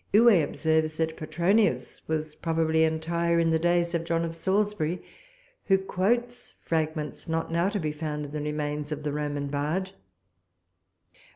Huet observes that Petronius was probably entire in the days of John of Salisbury, who quotes fragments, not now to be found in the remains of the Roman bard.